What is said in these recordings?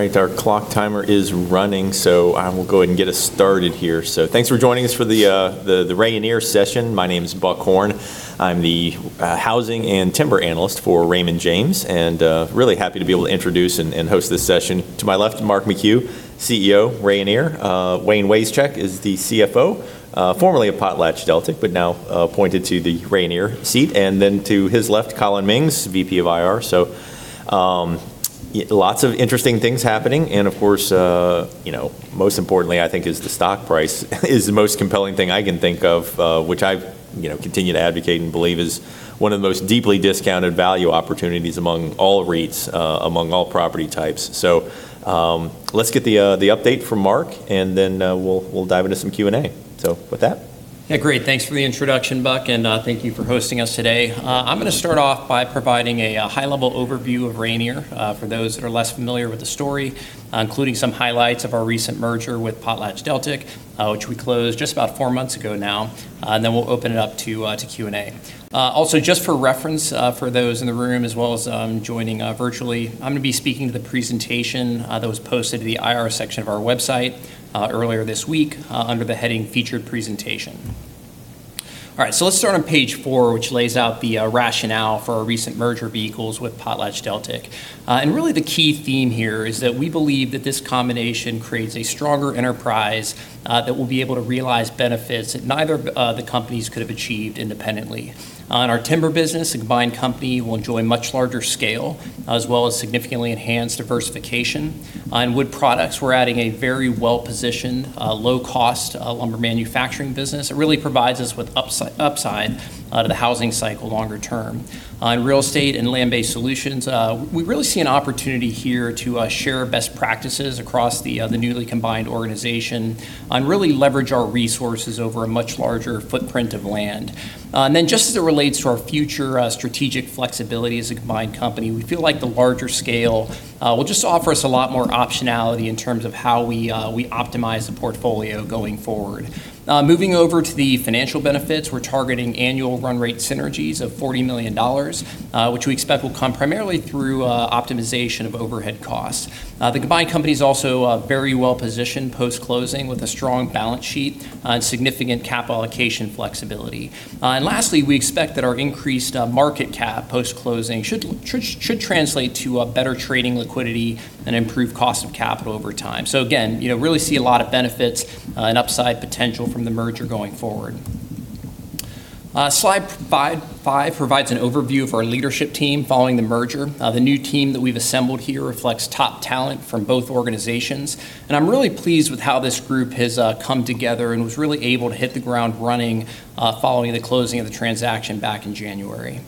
All right. Our clock timer is running, I will go ahead and get us started here. Thanks for joining us for the Rayonier session. My name is Buck Horne. I'm the housing and timber analyst for Raymond James, and really happy to be able to introduce and host this session. To my left, Mark McHugh, CEO, Rayonier. Wayne Wasechek is the CFO, formerly of PotlatchDeltic, but now appointed to the Rayonier seat, and then to his left, Collin Mings, VP of IR. Lots of interesting things happening. Of course, most importantly, I think the stock price is the most compelling thing I can think of, which I continue to advocate and believe is one of the most deeply discounted value opportunities among all REITs, among all property types. Let's get the update from Mark, and then we'll dive into some Q&A. With that. Yeah, great. Thanks for the introduction, Buck, thank you for hosting us today. I'm going to start off by providing a high-level overview of Rayonier for those that are less familiar with the story, including some highlights of our recent merger with PotlatchDeltic, which we closed just about four months ago now. Then we'll open it up to Q&A. Also, just for reference for those in the room as well as joining virtually, I'm going to be speaking to the presentation that was posted to the IR section of our website earlier this week under the heading Featured Presentation. All right. Let's start on page four, which lays out the rationale for our recent merger of equals with PotlatchDeltic. Really the key theme here is that we believe that this combination creates a stronger enterprise that will be able to realize benefits that neither of the companies could have achieved independently. On our timber business, the combined company will enjoy much larger scale, as well as significantly enhanced diversification. On wood products, we're adding a very well-positioned, low-cost lumber manufacturing business. It really provides us with upside to the housing cycle longer term. On real estate and land-based solutions, we really see an opportunity here to share best practices across the newly combined organization and really leverage our resources over a much larger footprint of land. Just as it relates to our future strategic flexibility as a combined company, we feel like the larger scale will just offer us a lot more optionality in terms of how we optimize the portfolio going forward. Moving over to the financial benefits, we're targeting annual run rate synergies of $40 million, which we expect will come primarily through optimization of overhead costs. The combined company is also very well-positioned post-closing with a strong balance sheet and significant capital allocation flexibility. Lastly, we expect that our increased market cap post-closing should translate to better trading liquidity and improved cost of capital over time. Again, really see a lot of benefits and upside potential from the merger going forward. Slide five provides an overview of our leadership team following the merger. The new team that we've assembled here reflects top talent from both organizations, and I'm really pleased with how this group has come together and was really able to hit the ground running following the closing of the transaction back in January.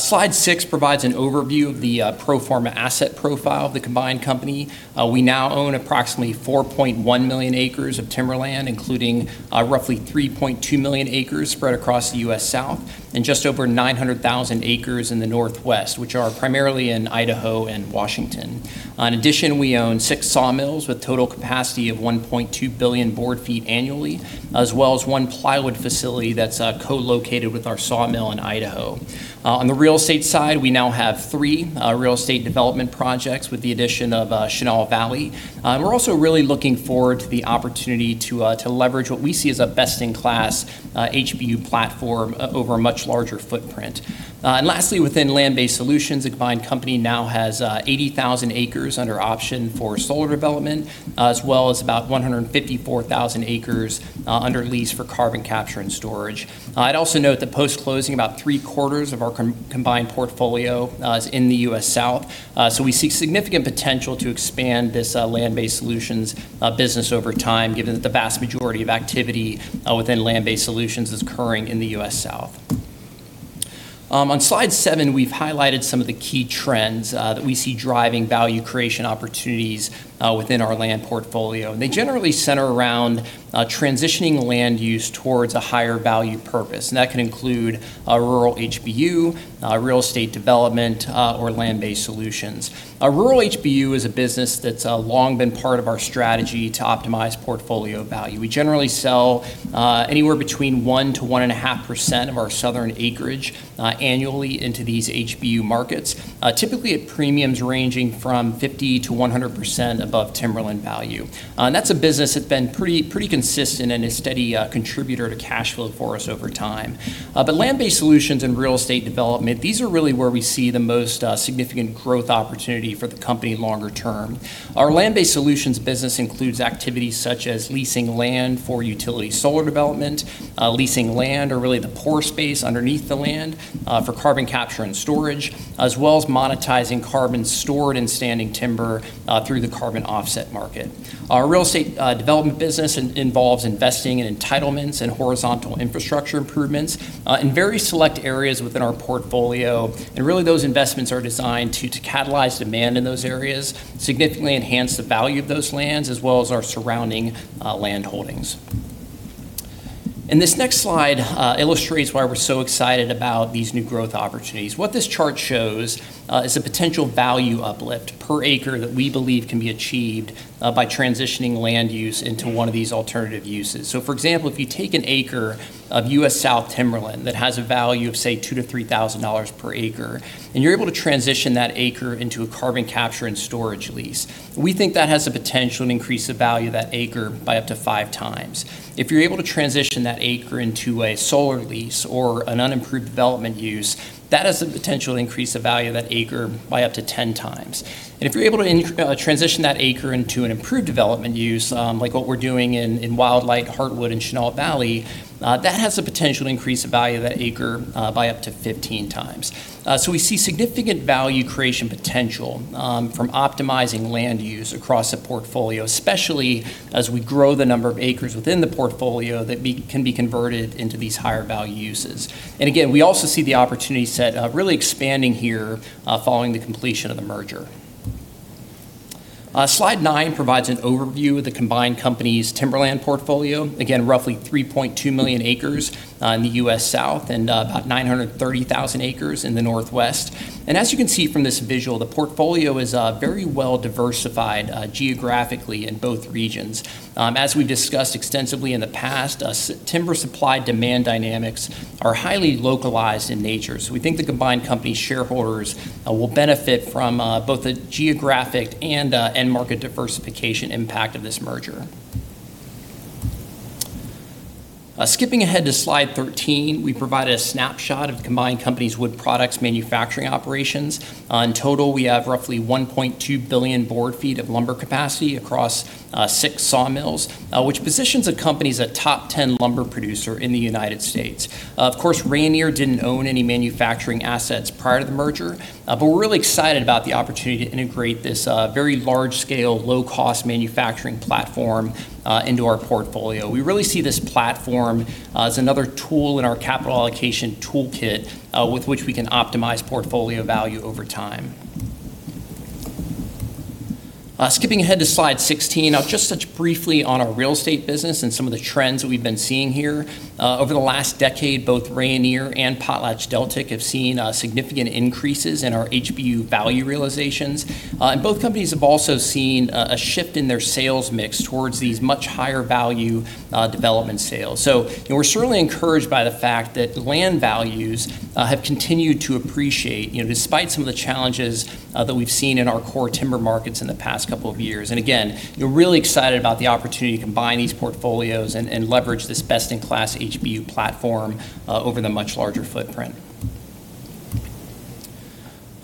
Slide six provides an overview of the pro forma asset profile of the combined company. We now own approximately 4.1 million acres of timberland, including roughly 3.2 million acres spread across the U.S. South and just over 900,000 acres in the Northwest, which are primarily in Idaho and Washington. In addition, we own six sawmills with total capacity of 1.2 billion board feet annually, as well as one plywood facility that's co-located with our sawmill in Idaho. On the real estate side, we now have three real estate development projects with the addition of Chenal Valley. We're also really looking forward to the opportunity to leverage what we see as a best-in-class HBU platform over a much larger footprint. Lastly, within land-based solutions, the combined company now has 80,000 acres under option for solar development, as well as about 154,000 acres under lease for carbon capture and storage. I'd also note that post-closing about three-quarters of our combined portfolio is in the U.S. South. We see significant potential to expand this land-based solutions business over time, given that the vast majority of activity within land-based solutions is occurring in the U.S. South. On slide seven, we've highlighted some of the key trends that we see driving value creation opportunities within our land portfolio. They generally center around transitioning land use towards a higher value purpose. That can include rural HBU, real estate development, or land-based solutions. A rural HBU is a business that's long been part of our strategy to optimize portfolio value. We generally sell anywhere between 1%-1.5% of our southern acreage annually into these HBU markets, typically at premiums ranging from 50%-100% above timberland value. That's a business that's been pretty consistent and a steady contributor to cash flow for us over time. Land-based solutions and real estate development, these are really where we see the most significant growth opportunity for the company longer term. Our land-based solutions business includes activities such as leasing land for utility solar development, leasing land or really the pore space underneath the land for carbon capture and storage, as well as monetizing carbon stored in standing timber through the carbon offset market. Our real estate development business involves investing in entitlements and horizontal infrastructure improvements in very select areas within our portfolio. Really, those investments are designed to catalyze demand in those areas, significantly enhance the value of those lands, as well as our surrounding land holdings. This next slide illustrates why we're so excited about these new growth opportunities. What this chart shows is the potential value uplift per acre that we believe can be achieved by transitioning land use into one of these alternative uses. For example, if you take an acre of U.S. South timberland that has a value of, say, $2,000-$3,000 per acre, and you're able to transition that acre into a carbon capture and storage lease, we think that has the potential to increase the value of that acre by up to 5x. If you're able to transition that acre into a solar lease or an unimproved development use, that has the potential to increase the value of that acre by up to 10x. If you're able to transition that acre into an improved development use, like what we're doing in Wildlight, Heartwood and Chenal Valley, that has the potential to increase the value of that acre by up to 15x. We see significant value creation potential from optimizing land use across the portfolio, especially as we grow the number of acres within the portfolio that can be converted into these higher value uses. Again, we also see the opportunity set really expanding here following the completion of the merger. Slide nine provides an overview of the combined company's timberland portfolio. Again, roughly 3.2 million acres in the U.S. South and about 930,000 acres in the Northwest. As you can see from this visual, the portfolio is very well diversified geographically in both regions. As we've discussed extensively in the past, timber supply-demand dynamics are highly localized in nature. We think the combined company shareholders will benefit from both the geographic and end market diversification impact of this merger. Skipping ahead to slide 13, we provide a snapshot of the combined company's wood products manufacturing operations. In total, we have roughly 1.2 billion board feet of lumber capacity across six sawmills, which positions the company as a top 10 lumber producer in the U.S. Of course, Rayonier didn't own any manufacturing assets prior to the merger. We're really excited about the opportunity to integrate this very large-scale, low-cost manufacturing platform into our portfolio. We really see this platform as another tool in our capital allocation toolkit with which we can optimize portfolio value over time. Skipping ahead to slide 16, I'll just touch briefly on our real estate business and some of the trends that we've been seeing here. Over the last decade, both Rayonier and PotlatchDeltic have seen significant increases in our HBU value realizations. Both companies have also seen a shift in their sales mix towards these much higher value development sales. We're certainly encouraged by the fact that the land values have continued to appreciate despite some of the challenges that we've seen in our core timber markets in the past couple of years. Again, we're really excited about the opportunity to combine these portfolios and leverage this best-in-class HBU platform over the much larger footprint.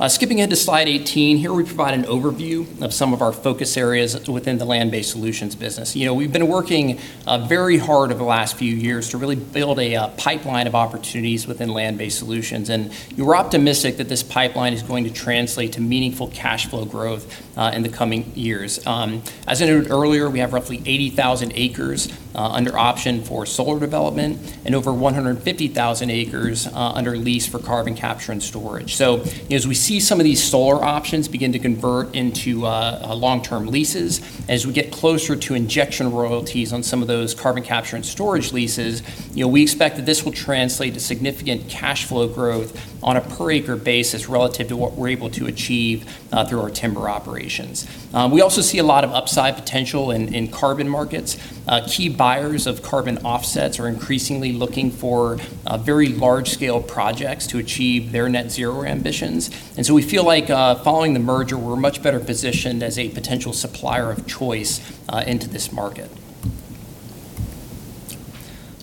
Skipping ahead to slide 18, here we provide an overview of some of our focus areas within the land-based solutions business. We've been working very hard over the last few years to really build a pipeline of opportunities within land-based solutions, and we're optimistic that this pipeline is going to translate to meaningful cash flow growth in the coming years. As I noted earlier, we have roughly 80,000 acres under option for solar development and over 150,000 acres under lease for carbon capture and storage. As we see some of these solar options begin to convert into long-term leases, as we get closer to injection royalties on some of those carbon capture and storage leases, we expect that this will translate to significant cash flow growth on a per acre basis relative to what we're able to achieve through our timber operations. We also see a lot of upside potential in carbon markets. Key buyers of carbon offsets are increasingly looking for very large-scale projects to achieve their net zero ambitions. We feel like following the merger, we're much better positioned as a potential supplier of choice into this market.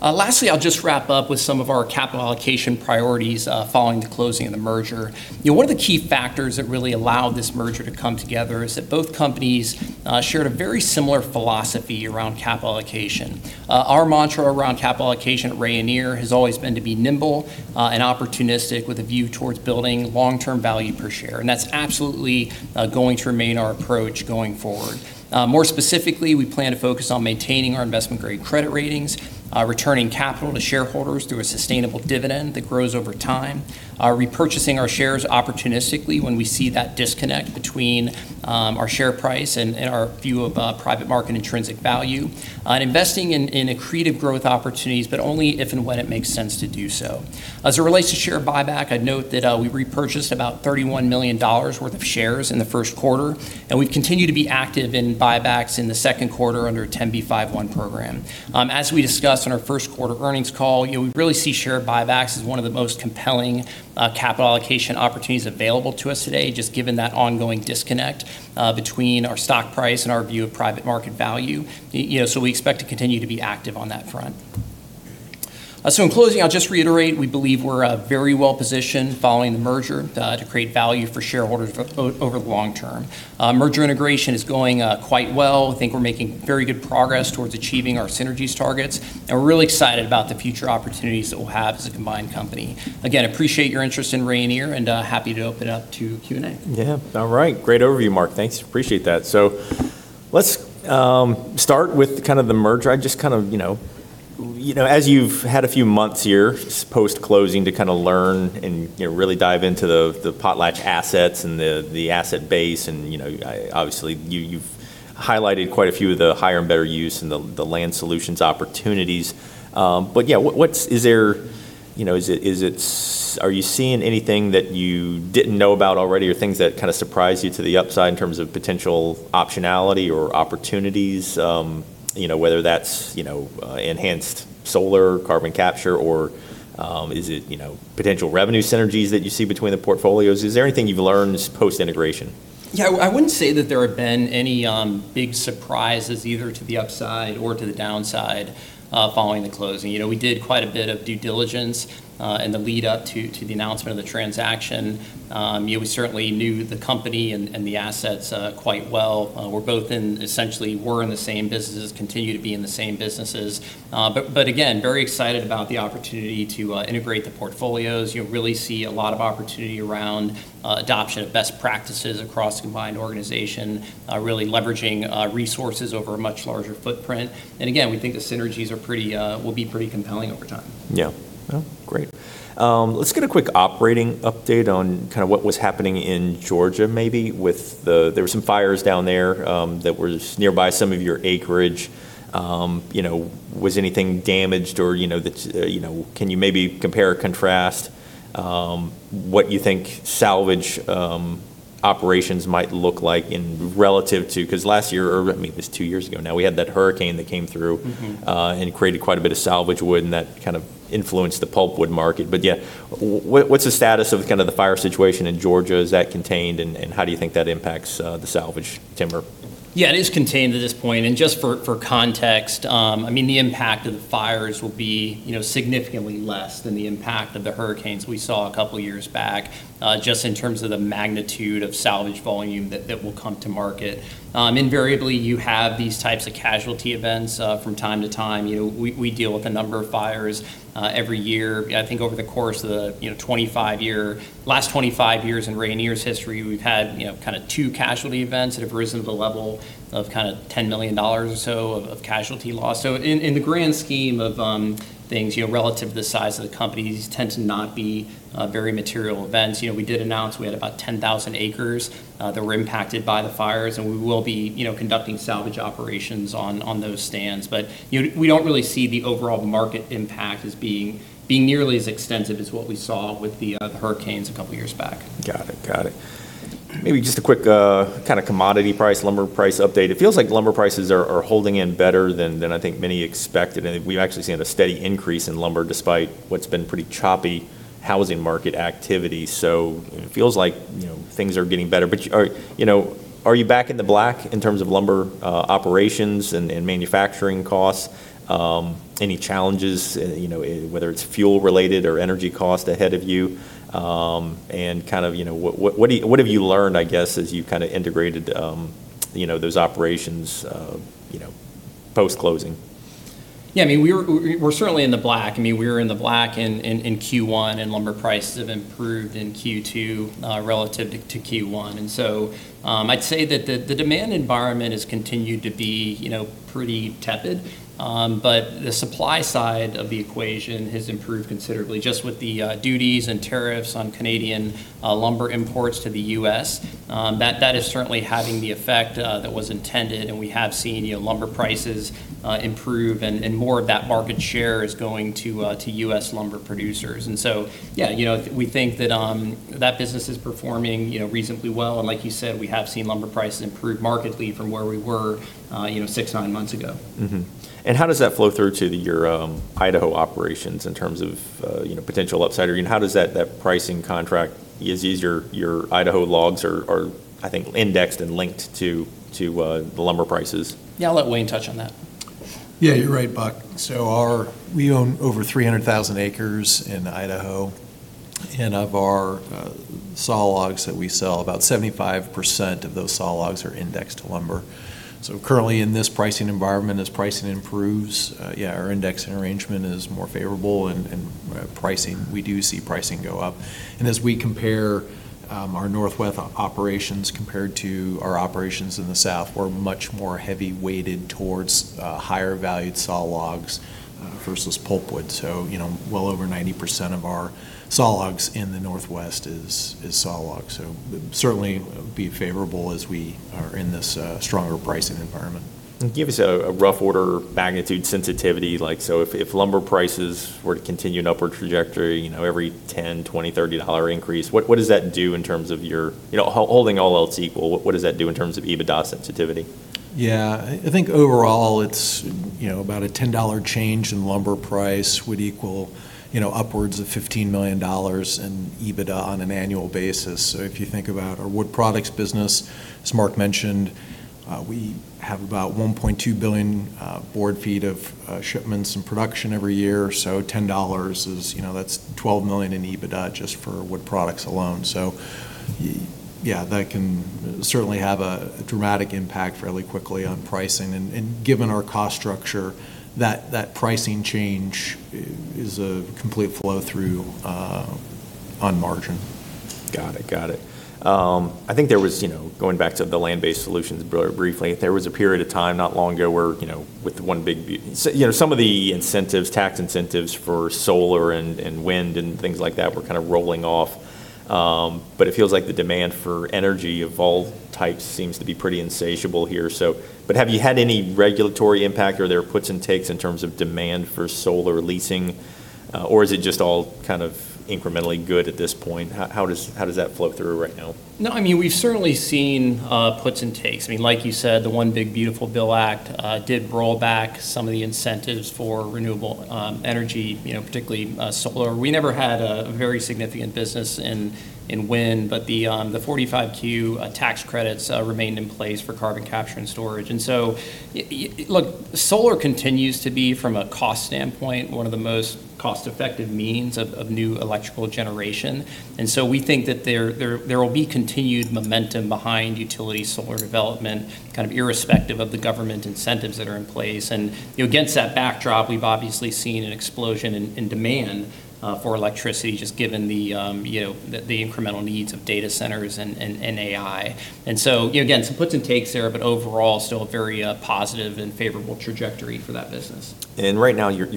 Lastly, I'll just wrap up with some of our capital allocation priorities following the closing of the merger. One of the key factors that really allowed this merger to come together is that both companies shared a very similar philosophy around capital allocation. Our mantra around capital allocation at Rayonier has always been to be nimble and opportunistic with a view towards building long-term value per share, and that's absolutely going to remain our approach going forward. More specifically, we plan to focus on maintaining our investment-grade credit ratings, returning capital to shareholders through a sustainable dividend that grows over time, repurchasing our shares opportunistically when we see that disconnect between our share price and our view of private market intrinsic value, and investing in accretive growth opportunities, only if and when it makes sense to do so. As it relates to share buyback, I'd note that we repurchased about $31 million worth of shares in the first quarter. We've continued to be active in buybacks in the second quarter under a 10b5-1 program. As we discussed on our first quarter earnings call, we really see share buybacks as one of the most compelling capital allocation opportunities available to us today, just given that ongoing disconnect between our stock price and our view of private market value. We expect to continue to be active on that front. In closing, I'll just reiterate, we believe we're very well positioned following the merger to create value for shareholders over the long term. Merger integration is going quite well. I think we're making very good progress towards achieving our synergies targets, and we're really excited about the future opportunities that we'll have as a combined company. Again, appreciate your interest in Rayonier and happy to open it up to Q&A. Yeah. All right. Great overview, Mark. Thanks. Appreciate that. Let's start with kind of the merger. As you've had a few months here, post-closing, to learn and really dive into the Potlatch assets and the asset base. Obviously, you've highlighted quite a few of the higher and better use and the land solutions opportunities. Yeah. Are you seeing anything that you didn't know about already, or things that kind of surprise you to the upside in terms of potential optionality or opportunities? Whether that's enhanced solar carbon capture, or is it potential revenue synergies that you see between the portfolios? Is there anything you've learned post-integration? I wouldn't say that there have been any big surprises either to the upside or to the downside following the closing. We did quite a bit of due diligence in the lead-up to the announcement of the transaction. We certainly knew the company and the assets quite well. We're both in, essentially, were in the same businesses, continue to be in the same businesses. Again, very excited about the opportunity to integrate the portfolios. Really see a lot of opportunity around adoption of best practices across combined organization, really leveraging resources over a much larger footprint. Again, we think the synergies will be pretty compelling over time. Yeah. Great. Let's get a quick operating update on what was happening in Georgia, maybe. There were some fires down there that were nearby some of your acreage. Was anything damaged or can you maybe compare or contrast what you think salvage operations might look like in relative to? Because last year, or maybe it was two years ago now, we had that hurricane that came through and it created quite a bit of salvage wood, and that kind of influenced the pulpwood market. Yeah. What's the status of the fire situation in Georgia? Is that contained, and how do you think that impacts the salvage timber? Yeah, it is contained at this point. Just for context, the impact of the fires will be significantly less than the impact of the hurricanes we saw a couple of years back, just in terms of the magnitude of salvage volume that will come to market. Invariably, you have these types of casualty events from time to time. We deal with a number of fires every year. I think over the course of the last 25 years in Rayonier's history, we've had two casualty events that have risen to the level of $10 million or so of casualty loss. In the grand scheme of things, relative to the size of the company, these tend to not be very material events. We did announce we had about 10,000 acres that were impacted by the fires, and we will be conducting salvage operations on those stands. We don't really see the overall market impact as being nearly as extensive as what we saw with the hurricanes a couple of years back. Got it. Maybe just a quick kind of commodity price, lumber price update. It feels like lumber prices are holding in better than I think many expected, and we've actually seen a steady increase in lumber despite what's been pretty choppy housing market activity. It feels like things are getting better. Are you back in the black in terms of lumber operations and manufacturing costs? Any challenges, whether it's fuel related or energy cost ahead of you? What have you learned, I guess, as you've kind of integrated those operations post-closing? Yeah, we're certainly in the black. We were in the black in Q1. Lumber prices have improved in Q2 relative to Q1. I'd say that the demand environment has continued to be pretty tepid. The supply side of the equation has improved considerably, just with the duties and tariffs on Canadian lumber imports to the U.S. That is certainly having the effect that was intended. We have seen lumber prices improve and more of that market share is going to U.S. lumber producers. Yeah, we think that that business is performing reasonably well, and like you said, we have seen lumber prices improve markedly from where we were six, nine months ago. How does that flow through to your Idaho operations in terms of potential upside? How does that pricing contract I guess your Idaho logs are, I think, indexed and linked to the lumber prices? Yeah, I'll let Wayne touch on that. Yeah, you're right, Buck. We own over 300,000 acres in Idaho, and of our sawlogs that we sell, about 75% of those sawlogs are indexed to lumber. Currently in this pricing environment, as pricing improves, yeah, our index and arrangement is more favorable, and we do see pricing go up. As we compare our Northwest operations compared to our operations in the South, we're much more heavy-weighted towards higher valued sawlogs versus pulpwood. Well over 90% of our sawlogs in the Northwest is sawlog. Certainly be favorable as we are in this stronger pricing environment. Give us a rough order magnitude sensitivity. If lumber prices were to continue an upward trajectory, every $10, $20, $30 increase, holding all else equal, what does that do in terms of EBITDA sensitivity? Yeah. I think overall, about a $10 change in lumber price would equal upwards of $15 million in EBITDA on an annual basis. If you think about our wood products business, as Mark mentioned, we have about 1.2 billion board feet of shipments in production every year. $10, that's $12 million in EBITDA just for wood products alone. Yeah, that can certainly have a dramatic impact fairly quickly on pricing. Given our cost structure, that pricing change is a complete flow-through on margin. Got it. I think going back to the land-based solutions briefly, there was a period of time not long ago where some of the tax incentives for solar and wind and things like that were kind of rolling off. It feels like the demand for energy of all types seems to be pretty insatiable here. Have you had any regulatory impact? Are there puts and takes in terms of demand for solar leasing, or is it just all kind of incrementally good at this point? How does that flow through right now? No, we've certainly seen puts and takes. Like you said, the One Big Beautiful Bill Act did roll back some of the incentives for renewable energy, particularly solar. We never had a very significant business in wind, but the 45Q tax credits remained in place for carbon capture and storage. Solar continues to be, from a cost standpoint, one of the most cost-effective means of new electrical generation. We think that there will be continued momentum behind utility solar development irrespective of the government incentives that are in place. Against that backdrop, we've obviously seen an explosion in demand for electricity, just given the incremental needs of data centers and AI. Again, some puts and takes there, but overall, still a very positive and favorable trajectory for that business. Right now, you're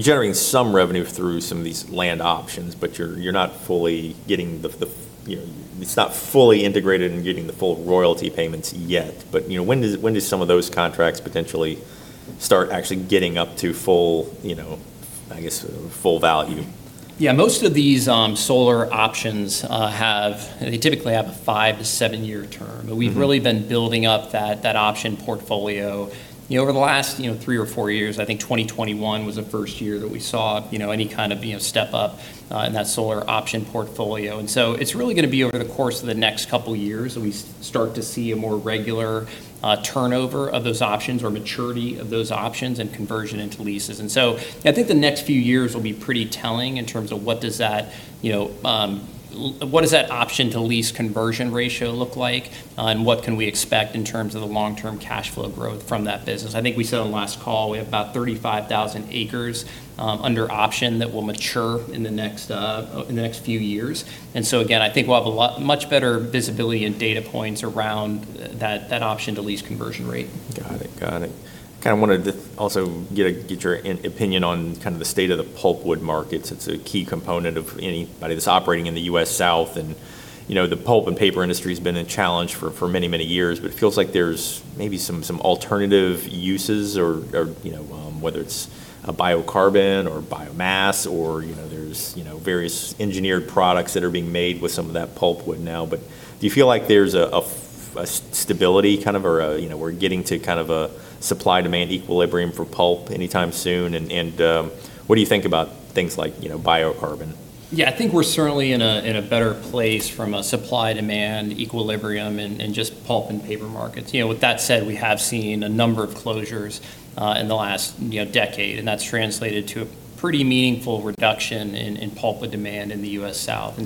generating some revenue through some of these land options, but it's not fully integrated and getting the full royalty payments yet. When do some of those contracts potentially start actually getting up to full value? Yeah, most of these solar options typically have a 5-7 year term. We've really been building up that option portfolio over the last three or four years. I think 2021 was the first year that we saw any kind of step up in that solar option portfolio. It's really going to be over the course of the next couple of years that we start to see a more regular turnover of those options or maturity of those options and conversion into leases. I think the next few years will be pretty telling in terms of what does that option-to-lease conversion ratio look like, and what can we expect in terms of the long-term cash flow growth from that business. I think we said on the last call, we have about 35,000 acres under option that will mature in the next few years. Again, I think we'll have a much better visibility and data points around that option-to-lease conversion rate. Got it. Kind of wanted to also get your opinion on kind of the state of the pulpwood markets. It's a key component of anybody that's operating in the U.S. South. The pulp and paper industry has been a challenge for many, many years, but it feels like there's maybe some alternative uses or whether it's biocarbon or biomass or there's various engineered products that are being made with some of that pulpwood now. Do you feel like there's a stability kind of, or we're getting to kind of a supply-demand equilibrium for pulp anytime soon? What do you think about things like biocarbon? Yeah, I think we're certainly in a better place from a supply-demand equilibrium in just pulp and paper markets. With that said, we have seen a number of closures in the last decade, that's translated to a pretty meaningful reduction in pulpwood demand in the U.S. South.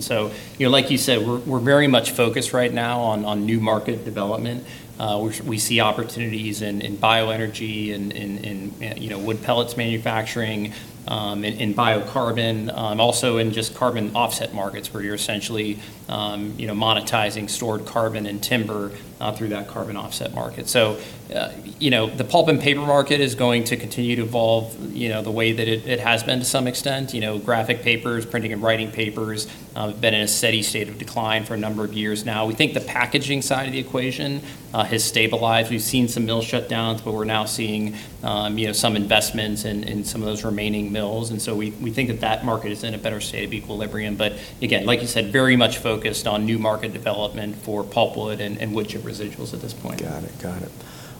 Like you said, we're very much focused right now on new market development. We see opportunities in bioenergy and in wood pellets manufacturing, in biocarbon, also in just carbon offset markets, where you're essentially monetizing stored carbon and timber through that carbon offset market. The pulp and paper market is going to continue to evolve the way that it has been to some extent. Graphic papers, printing and writing papers have been in a steady state of decline for a number of years now. We think the packaging side of the equation has stabilized. We've seen some mill shutdowns, but we're now seeing some investments in some of those remaining mills. We think that that market is in a better state of equilibrium. Again, like you said, very much focused on new market development for pulpwood and wood chip residuals at this point. Got it.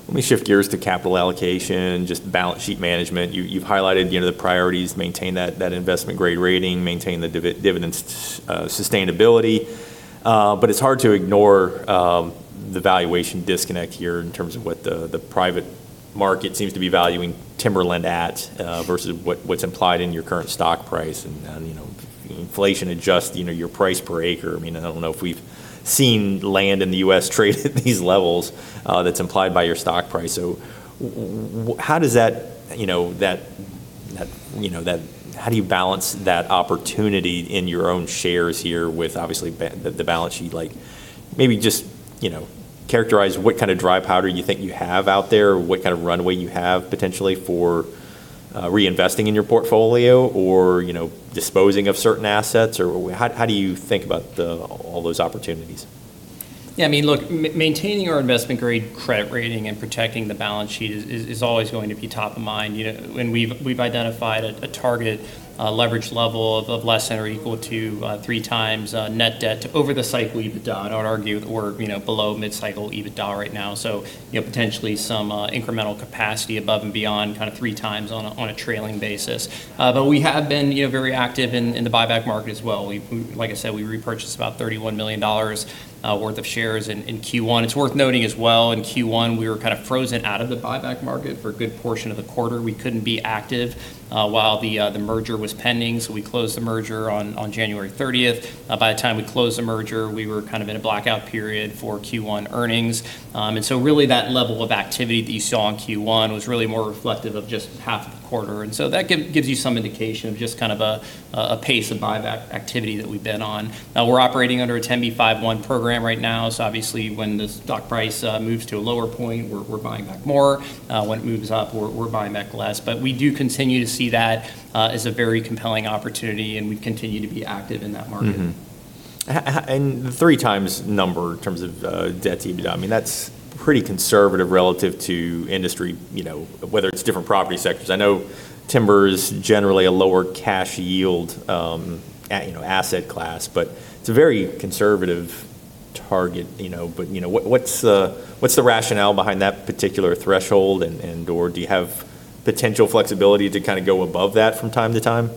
Let me shift gears to capital allocation, just balance sheet management. You've highlighted the priorities, maintain that investment-grade rating, maintain the dividend sustainability. It's hard to ignore the valuation disconnect here in terms of what the private market seems to be valuing timberland at versus what's implied in your current stock price. Inflation adjust your price per acre. I mean, I don't know if we've seen land in the U.S. trade at these levels that's implied by your stock price. How do you balance that opportunity in your own shares here with obviously the balance sheet? Maybe just characterize what kind of dry powder you think you have out there, or what kind of runway you have potentially for reinvesting in your portfolio or disposing of certain assets, or how do you think about all those opportunities? Yeah, look, maintaining our investment-grade credit rating and protecting the balance sheet is always going to be top of mind. We've identified a target leverage level of less than or equal to 3x net debt over the cycle EBITDA, and I would argue that we're below mid-cycle EBITDA right now. Potentially some incremental capacity above and beyond kind of 3x on a trailing basis. We have been very active in the buyback market as well. Like I said, we repurchased about $31 million worth of shares in Q1. It's worth noting as well, in Q1, we were kind of frozen out of the buyback market for a good portion of the quarter. We couldn't be active while the merger was pending, so we closed the merger on January 30th. By the time we closed the merger, we were kind of in a blackout period for Q1 earnings. Really that level of activity that you saw in Q1 was really more reflective of just half of the quarter. That gives you some indication of just kind of a pace of buyback activity that we've been on. We're operating under a 10b5-1 program right now, so obviously, when the stock price moves to a lower point, we're buying back more. When it moves up, we're buying back less. We do continue to see that as a very compelling opportunity, and we continue to be active in that market. The 3x number in terms of debt-to-EBITDA, that's pretty conservative relative to industry, whether it's different property sectors. I know timber is generally a lower cash yield asset class, but it's a very conservative target. What's the rationale behind that particular threshold and/or do you have potential flexibility to go above that from time to time?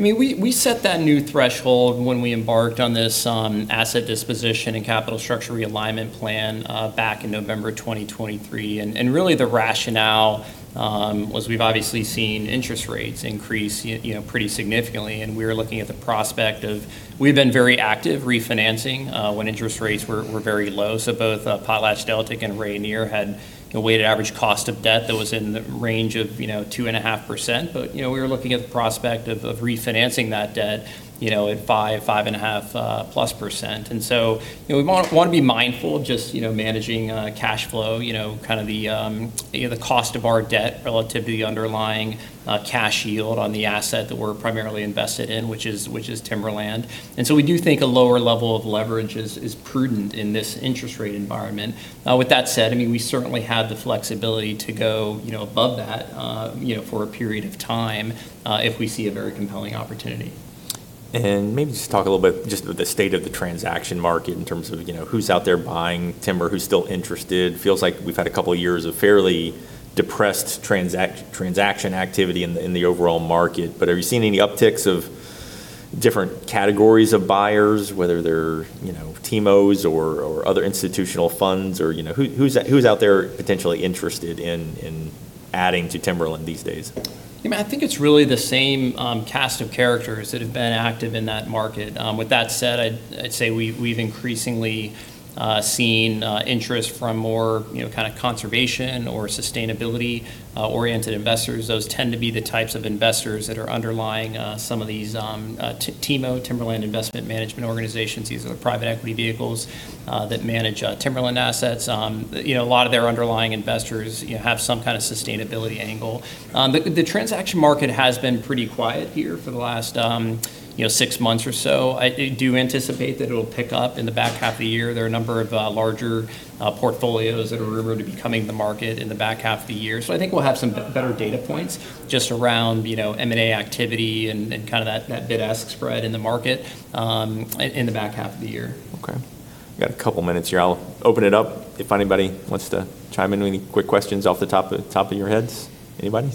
We set that new threshold when we embarked on this asset disposition and capital structure realignment plan back in November 2023. Really, the rationale was we've obviously seen interest rates increase pretty significantly, and we were looking at the prospect of refinancing when interest rates were very low. Both PotlatchDeltic and Rayonier had a weighted average cost of debt that was in the range of 2.5%, but we were looking at the prospect of refinancing that debt at 5%-5.5%+. We want to be mindful of just managing cash flow, kind of the cost of our debt relative to the underlying cash yield on the asset that we're primarily invested in, which is timberland. We do think a lower level of leverage is prudent in this interest rate environment. With that said, we certainly have the flexibility to go above that for a period of time if we see a very compelling opportunity. Maybe just talk a little bit just with the state of the transaction market in terms of who's out there buying timber, who's still interested. Feels like we've had a couple of years of fairly depressed transaction activity in the overall market. Have you seen any upticks of different categories of buyers, whether they're TIMOs or other institutional funds, or who's out there potentially interested in adding to timberland these days? I think it's really the same cast of characters that have been active in that market. With that said, I'd say we've increasingly seen interest from more kind of conservation or sustainability-oriented investors. Those tend to be the types of investors that are underlying some of these TIMO, Timberland Investment Management Organizations. These are the private equity vehicles that manage timberland assets. A lot of their underlying investors have some kind of sustainability angle. The transaction market has been pretty quiet here for the last six months or so. I do anticipate that it'll pick up in the back half of the year. There are a number of larger portfolios that are rumored to be coming to market in the back half of the year. I think we'll have some better data points just around M&A activity and that bid-ask spread in the market in the back half of the year. Okay. Got a couple minutes here. I'll open it up if anybody wants to chime in with any quick questions off the top of your heads. Anybody?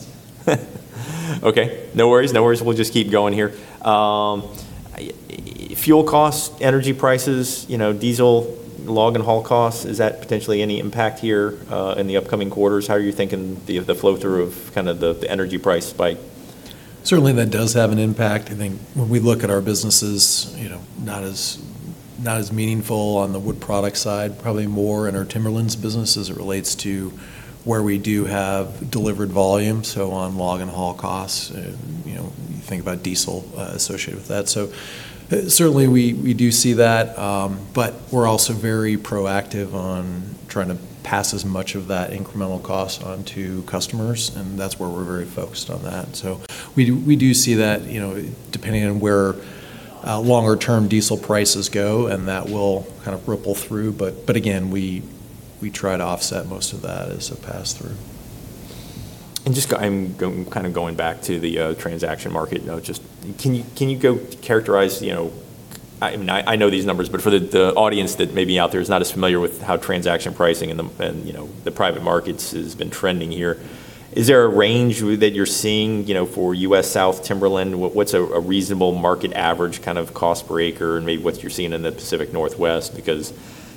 Okay, no worries. We'll just keep going here. Fuel costs, energy prices, diesel, log and haul costs, is that potentially any impact here in the upcoming quarters? How are you thinking the flow-through of the energy price spike? Certainly that does have an impact. I think when we look at our businesses, not as meaningful on the wood product side, probably more in our timberlands business as it relates to where we do have delivered volume. On log and haul costs, you think about diesel associated with that. Certainly we do see that, but we're also very proactive on trying to pass as much of that incremental cost on to customers, and that's where we're very focused on that. We do see that, depending on where longer-term diesel prices go, and that will kind of ripple through. Again, we try to offset most of that as a pass-through. Just, I'm kind of going back to the transaction market now. Can you go characterize. I know these numbers, but for the audience that may be out there who's not as familiar with how transaction pricing and the private markets has been trending here, is there a range that you're seeing for U.S. South timberland? What's a reasonable market average kind of cost per acre and maybe what you're seeing in the Pacific Northwest?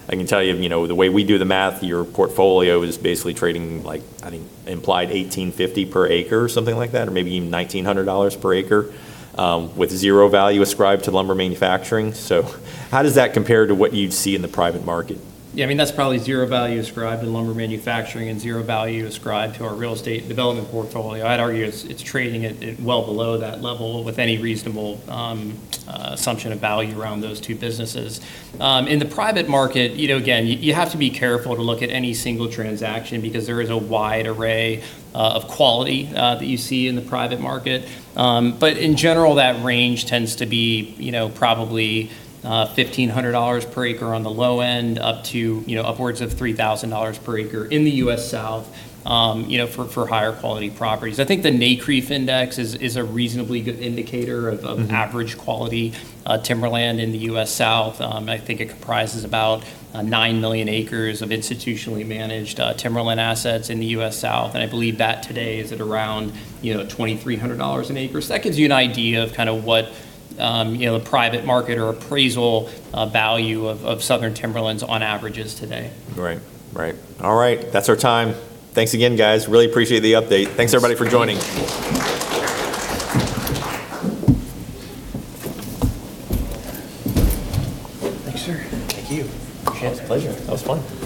I can tell you, the way we do the math, your portfolio is basically trading, I think, implied $1,850 per acre or something like that, or maybe even $1,900 per acre, with zero value ascribed to lumber manufacturing. How does that compare to what you'd see in the private market? That's probably zero value ascribed in lumber manufacturing and zero value ascribed to our real estate development portfolio. I'd argue it's trading at well below that level with any reasonable assumption of value around those two businesses. In the private market, again, you have to be careful to look at any single transaction because there is a wide array of quality that you see in the private market. In general, that range tends to be probably $1,500 per acre on the low end up to upwards of $3,000 per acre in the U.S. South for higher quality properties. I think the NCREIF Timberland index is a reasonably good indicator of average quality timberland in the U.S. South. I think it comprises about 9 million acres of institutionally managed timberland assets in the U.S. South, and I believe that today is at around $2,300 an acre. That gives you an idea of kind of what the private market or appraisal value of southern timberlands on average is today. Right. All right. That's our time. Thanks again, guys. Really appreciate the update. Thanks. Thanks, everybody, for joining. Thanks, sir. Thank you. Thanks. Pleasure. That was fun.